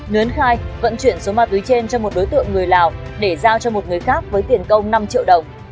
nươn khai vận chuyển số ma túy trên cho một đối tượng người lào để giao cho một người khác với tiền công năm triệu đồng